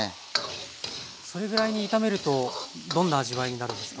それぐらいに炒めるとどんな味わいになるんですか？